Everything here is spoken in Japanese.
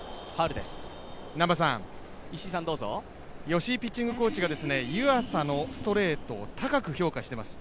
吉井ピッチングコーチが湯浅のストレートを高く評価しています。